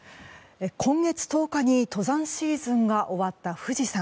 今月１０日に登山シーズンが終わった富士山。